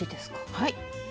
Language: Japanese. はい。